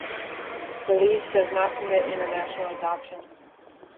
Belize does not permit international adoptions.